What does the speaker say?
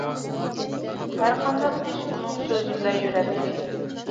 ھەر قانداق ئىش ئۇنىڭ سۆزى بىلەن يۈرەتتى.